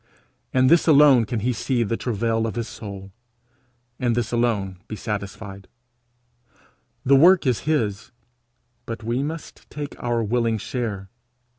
In this alone can he see of the travail of his soul, in this alone be satisfied. The work is his, but we must take our willing share.